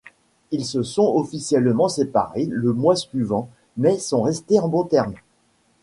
Ils se sont officiellement séparés le mois suivant mais sont restés en bon terme.